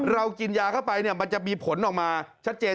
เรากินยาเข้าไปมันจะมีผลออกมาชัดเจน